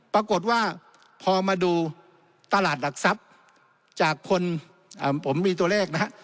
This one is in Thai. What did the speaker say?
ปรากฏว่าพอมาดูตลาดหลักทรัพย์จากคนผมมีตัวเลขนะฮะ